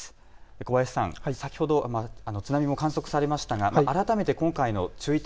小林さん、先ほど津波も観測されましたが改めて今回の注意点